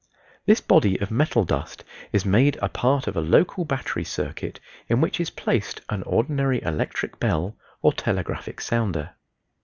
This body of metal dust is made a part of a local battery circuit in which is placed an ordinary electric bell or telegraphic sounder.